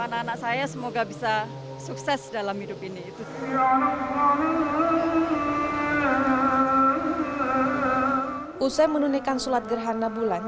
anak anak saya semoga bisa sukses dalam hidup ini itu usai menunaikan sholat gerhana bulan